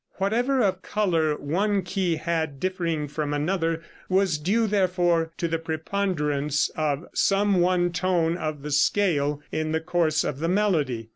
Whatever of color one key had differing from another was due therefore to the preponderance of some one tone of the scale in the course of the melody.